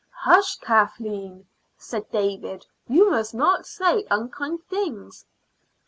"Hush, Kathleen!" said David. "You must not say unkind things."